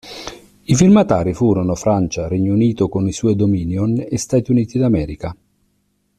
I firmatari furono Francia, Regno Unito con i suoi "dominion" e Stati Uniti d'America.